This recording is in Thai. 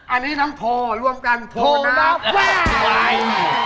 อันนี้น้องโทรร่วมกันโทรน้าบว้าย